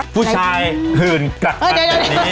ผู้ชายหื่นอันแต่นี้